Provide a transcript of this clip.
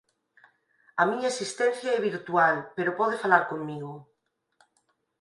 A miña existencia é virtual pero pode falar comigo.